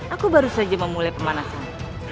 aku baru saja memulai pemanasan